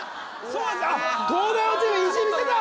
東大王チーム意地見せた！